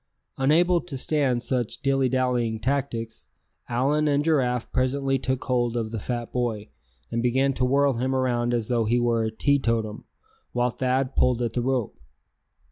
Unable to stand such dilly dallying tactics, Allan and Giraffe presently took hold of the fat boy, and began to whirl him around as though he were a teetotum, while Thad pulled at the rope.